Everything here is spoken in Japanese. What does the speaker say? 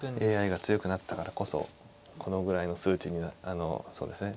ＡＩが強くなったからこそこのぐらいの数値にあのそうですね